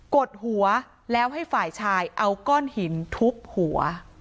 กดหัวแล้วให้ฝ่ายชายเอาก้อนหินทุบหัว